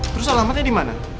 terus alamatnya dimana